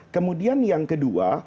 kemudian yang kedua